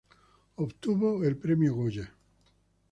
Obtuvo el Premio Goya.